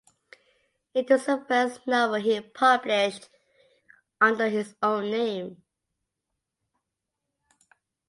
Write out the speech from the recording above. It was the first novel he published under his own name.